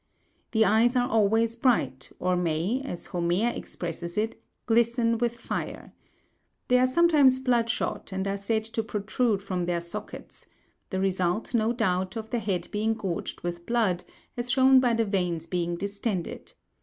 The eyes are always bright, or may, as Homer expresses it, glisten with fire. They are sometimes bloodshot, and are said to protrude from their sockets—the result, no doubt, of the head being gorged with blood, as shown by the veins being distended.